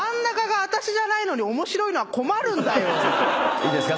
いいですか？